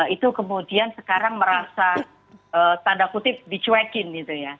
itu kemudian sekarang merasa tanda kutip dicuekin gitu ya